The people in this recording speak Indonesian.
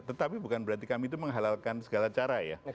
tetapi bukan berarti kami itu menghalalkan segala cara ya